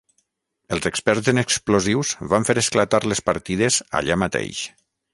Els experts en explosius van fer esclatar les partides allà mateix.